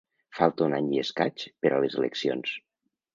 Falta un any i escaig per a les eleccions.